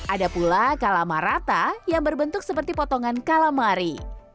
ada pula kalamarata yang berbentuk seperti potongan kalamari